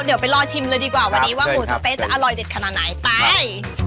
เดี๋ยวไปรอชิมเลยดีกว่าวันนี้ว่าหมูสะเต๊ะจะอร่อยเด็ดขนาดไหนไป